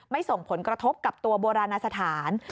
ไม่ส่งผลกระทบกับตัวบูรณสถาน